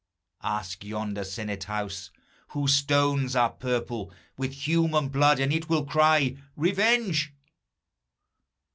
Ask yonder senate house, whose stones are purple With human blood, and it will cry, Revenge!